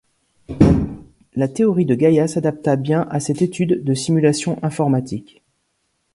La théorie de Gaïa s'adapta bien à cette étude de simulation informatique.